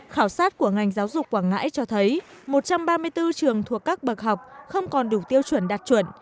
khảo sát của ngành giáo dục quảng ngãi cho thấy một trăm ba mươi bốn trường thuộc các bậc học không còn đủ tiêu chuẩn đạt chuẩn